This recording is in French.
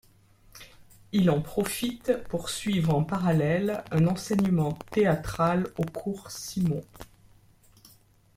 Il en profite pour suivre en parallèle un enseignement théâtral au cours Simon.